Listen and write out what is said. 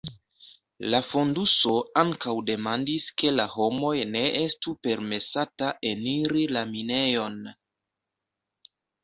La fonduso ankaŭ demandis ke la homoj ne estu permesata eniri la minejon.